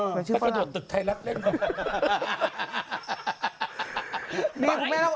กระโดดตึกไทยรัฐเล่นก่อน